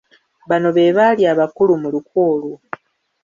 Bano be baali abakulu mu lukwe olwo.